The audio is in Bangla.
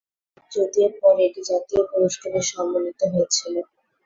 যদিও পরে এটি জাতীয় পুরস্কারে সম্মানিত হয়েছিল।